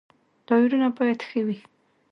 ټایرونه باید ښه وي.